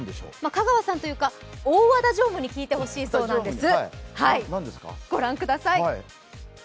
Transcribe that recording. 香川さんというか大和田常務に聞いてほしいそうなんです。